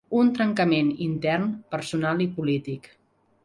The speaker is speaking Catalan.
Un trencament intern, personal i polític.